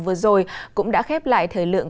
vừa rồi cũng đã khép lại thời lượng